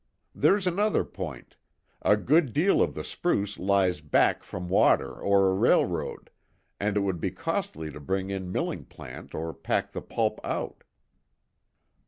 There's another point a good deal of the spruce lies back from water or a railroad, and it would be costly to bring in milling plant or pack the pulp out."